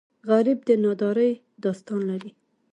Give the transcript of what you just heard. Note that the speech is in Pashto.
غریب د نادارۍ داستان لري